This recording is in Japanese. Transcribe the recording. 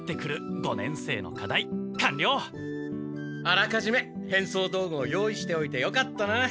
あらかじめ変装道具を用意しておいてよかったな。